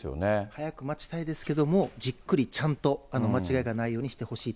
早く待ちたいですけれども、じっくりちゃんと間違いがないようにしてほしい。